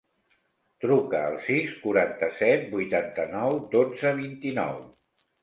Truca al sis, quaranta-set, vuitanta-nou, dotze, vint-i-nou.